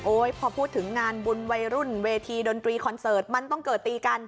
พอพูดถึงงานบุญวัยรุ่นเวทีดนตรีคอนเสิร์ตมันต้องเกิดตีกัน